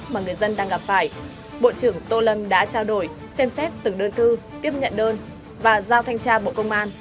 bộ trưởng tô lâm đã trao đổi xem xét từng đơn thư tiếp nhận đơn và giao thanh tra bộ công an